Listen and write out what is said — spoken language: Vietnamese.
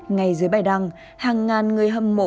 ngay dưới bài đăng hàng ngàn người hâm mộ